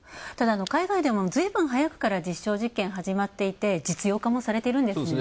海外で、ずいぶん早くから実証実験始まっていて実用化もされているんですよね。